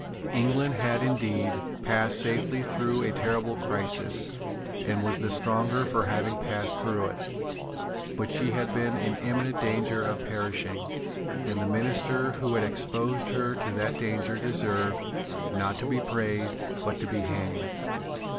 England had indeed passed safely through a terrible crisis, and was the stronger for having passed through it. But she had been in imminent danger of perishing; and the minister who had exposed her to that danger deserved, not to be praised, but to be hanged.